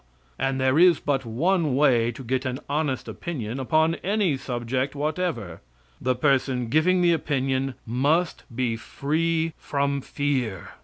And there is but one way to get an honest opinion upon any subject whatever. The person giving the opinion must be free from fear.